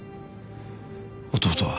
弟は。